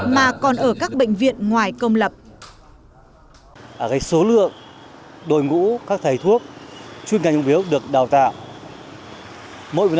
mà còn ở các bệnh viện ngoài công lập